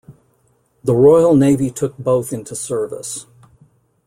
The Royal Navy took both into service.